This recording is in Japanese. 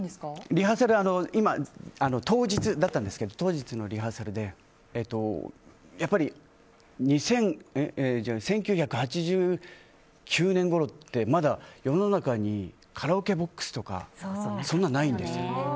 リハーサル当日だったんですけどやっぱり１９８９年ごろってまだ世の中にカラオケボックスとかそんなのないんですよ。